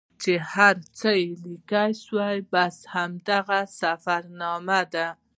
چې هر څه لیکل سوي بس همدغه سفرنامه ده.